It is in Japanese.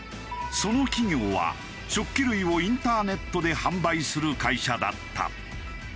その企業は食器類をインターネットで販売する会社だった。